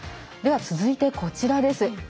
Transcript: では続いて、こちらです。